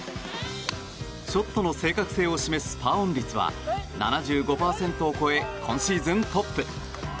ショットの正確性を示すパーオン率は７５％を超え今シーズントップ。